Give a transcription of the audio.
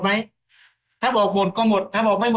ไม่ต้องชิงเลยครับพี่พ่อ